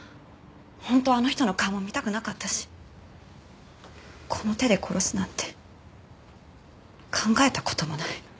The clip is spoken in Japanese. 本当はあの人の顔も見たくなかったしこの手で殺すなんて考えた事もない。